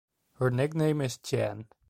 Her nickname is "Chan".